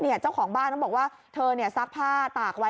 เจ้าของบ้านเขาบอกว่าเธอซักผ้าตากไว้